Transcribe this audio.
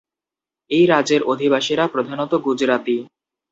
এই রাজ্যের অধিবাসীরা প্রধানত গুজরাতি।